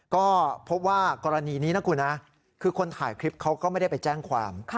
ก็พบว่ากรณีนี้นะคุณนะคือคนถ่ายคลิปเขาก็ไม่ได้ไปแจ้งความ